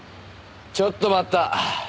ちょっと待った。